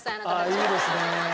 ああいいですね。